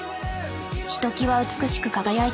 「ひときわ美しく輝いている」。